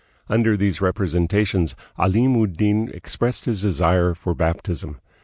Under these representations Alim ud Din expressed his desire for baptism.